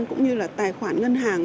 cũng như là tài khoản ngân hàng